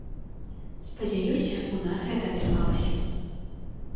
Спадзяюся, у нас гэта атрымалася.